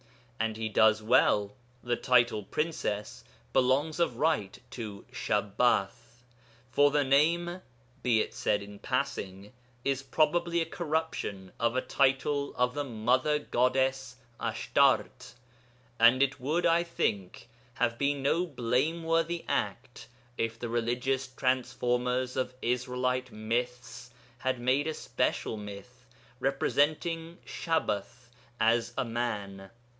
And he does well; the title Princess belongs of right to 'Shabbath.' For the name be it said in passing is probably a corruption of a title of the Mother goddess Ashtart, and it would, I think, have been no blameworthy act if the religious transformers of Israelite myths had made a special myth, representing Shabbath as a man.